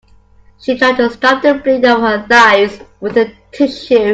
She tried to stop the bleeding of her thighs with a tissue.